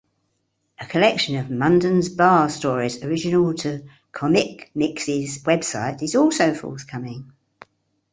A collection of "Munden's Bar" stories original to Comicmix's website is also forthcoming.